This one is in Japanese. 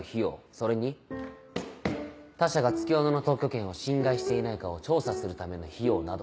それに他社が月夜野の特許権を侵害していないかを調査するための費用など。